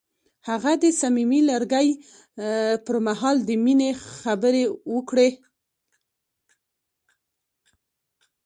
هغه د صمیمي لرګی پر مهال د مینې خبرې وکړې.